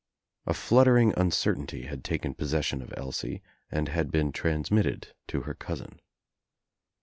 A fluttering uncertainty had taken possession of Elsie and had been transmitted to her cousin.